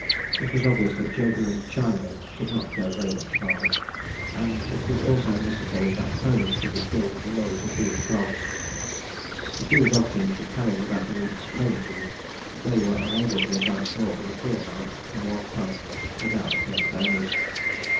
It was obvious that Jehu and Chinaman could not go very much farther, and it was also necessary that ponies should be killed in order to feed the dogs. The two dog teams were carrying about a week's pony food, but they were unable to advance more than a fortnight from One Ton without killing ponies.